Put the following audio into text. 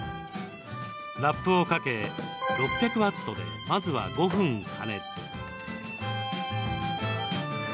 ラップをかけ、６００ワットでまずは５分加熱。